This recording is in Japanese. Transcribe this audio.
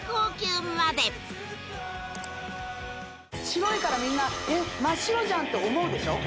白いからみんな真っ白じゃんって思うでしょ